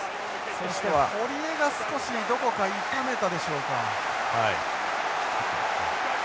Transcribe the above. そして堀江が少しどこか痛めたでしょうか。